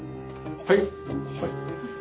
はい。